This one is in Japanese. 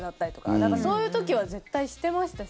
だから、そういう時は絶対してましたし。